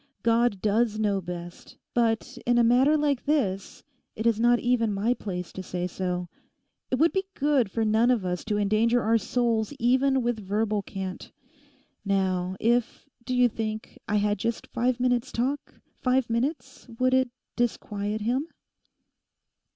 God does know best; but in a matter like this it is not even my place to say so. It would be good for none of us to endanger our souls even with verbal cant. Now, if, do you think, I had just five minutes' talk—five minutes; would it disquiet him?